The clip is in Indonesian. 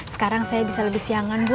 sekarang saya bisa lebih siangan bu